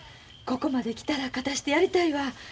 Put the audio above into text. ここまで来たら勝たしてやりたいわ。